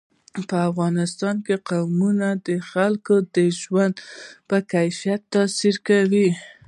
په افغانستان کې قومونه د خلکو د ژوند په کیفیت تاثیر کوي.